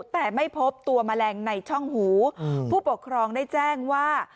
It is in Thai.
แต่ไม่พบตัวแมลงในช่องหูผู้ปกครองได้แจ้งว่า